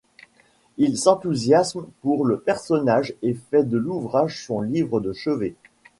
Il s’enthousiasme pour le personnage et fait de l’ouvrage son livre de chevet.